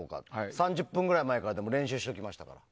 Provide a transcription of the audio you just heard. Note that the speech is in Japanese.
３０分ぐらい前から練習しておきましたから。